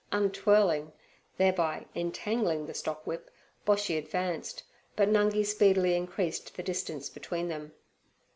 Untwirling, thereby entangling the stock whip, Boshy advanced; but Nungi speedily increased the distance between them.